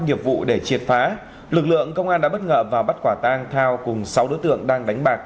nghiệp vụ để triệt phá lực lượng công an đã bất ngờ và bắt quả tang thao cùng sáu đối tượng đang đánh bạc